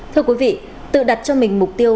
thưa quý vị tự đặt cho mình mục tiêu